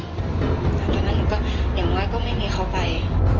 ตอนนั้นหนูก็อย่างน้อยก็ไม่มีเขาไป